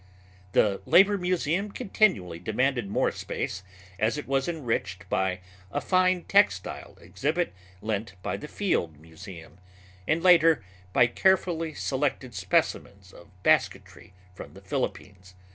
The Labor Museum continually demanded more space as it was enriched by a fine textile exhibit lent by the Field Museum, and later by carefully selected specimens of basketry from the Philippines.